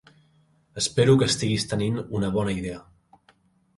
Espero que estiguis tenint una bona idea.